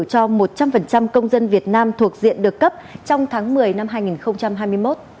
cho một trăm linh công dân việt nam thuộc diện được cấp trong tháng một mươi năm hai nghìn hai mươi một